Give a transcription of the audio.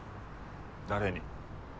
誰に？